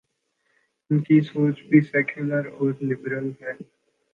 ان کی سوچ بھی سیکولر اور لبرل ہے۔